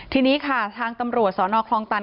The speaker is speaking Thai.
ทีนี้ค่ะทางตำรวจสนคลองตัน